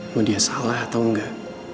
mau dia salah atau enggak